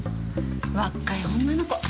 若い女の子。